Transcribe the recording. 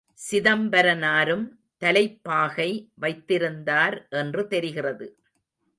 சிதம்பரனாரும் தலைப்பாகை வைத்திருந்தார் என்று தெரிகிறது.